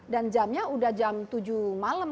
dan jamnya sudah jam tujuh malam